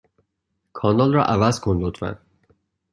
کانال را عوض کن، لطفا.